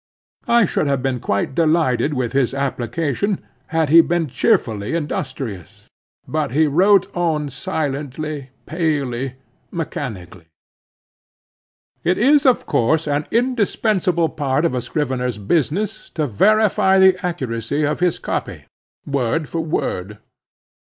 I should have been quite delighted with his application, had he been cheerfully industrious. But he wrote on silently, palely, mechanically. It is, of course, an indispensable part of a scrivener's business to verify the accuracy of his copy, word by word.